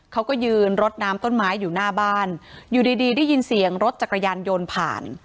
เขาก็ยืนรดน้ำต้นไม้อยู่หน้าบ้านอยู่ดีดีได้ยินเสียงรถจักรยานยนต์ผ่าน